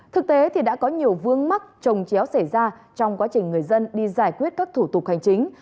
thực tế thì đã có nhiều vương mắc trồng chéo xảy ra trong quá trình người dân đi giải quyết các thủ tục hành chính